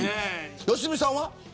良純さんは。